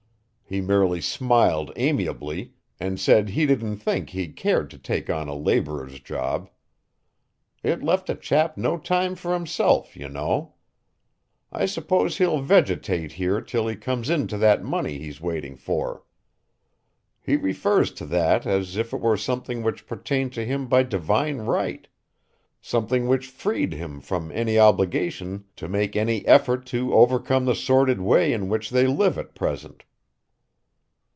He merely smiled amiably and said he didn't think he cared to take on a laborer's job. It left a chap no time for himself, you know. I suppose he'll vegetate here till he comes into that money he's waiting for. He refers to that as if it were something which pertained to him by divine right, something which freed him from any obligation to make any effort to overcome the sordid way in which they live at present."